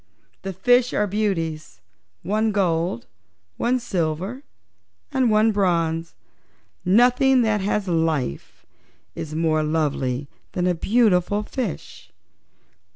"The fishes are beauties one gold, one silver and one bronze. Nothing that has life is more lovely than a beautiful fish."